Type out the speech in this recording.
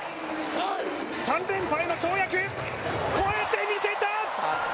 ３連覇への跳躍越えて見せた！